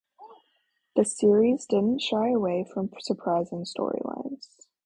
The series didn't shy away from surprising storylines.